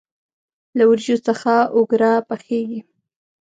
له وریجو څخه اوگره پخیږي.